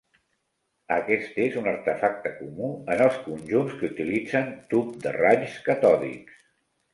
Aquest és un artefacte comú en els conjunts que utilitzen tub de raigs catòdics.